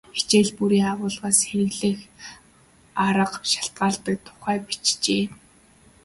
Хичээл бүрийн агуулгаас хэрэглэх арга шалтгаалдаг тухай бичжээ.